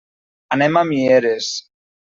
Anem a Mieres.